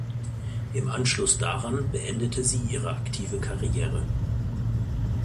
Im Anschluss daran beendete sie ihre aktive Karriere.